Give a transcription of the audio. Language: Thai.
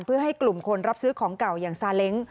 เพื่อให้กลุ่มคนรับซื้อของเก่าอย่างซาเล้ง